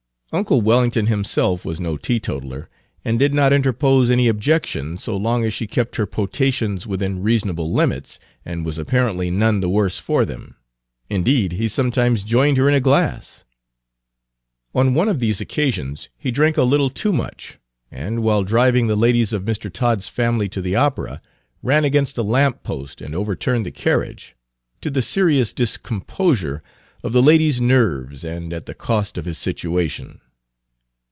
Uncle Wellington himself was no teetotaler, and did not interpose any objection so long as she kept her potations within reasonable limits, and Page 249 was apparently none the worse for them; indeed, he sometimes joined her in a glass. On one of these occasions he drank a little too much, and, while driving the ladies of Mr. Todd's family to the opera, ran against a lamp post and overturned the carriage, to the serious discomposure of the ladies' nerves and at the cost of his situation.